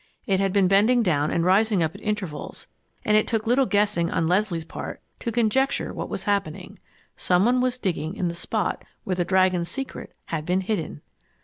It had been bending down and rising up at intervals, and it took little guessing on Leslie's part to conjecture what was happening. Some one was digging in the spot where the "Dragon's Secret" had been hidden!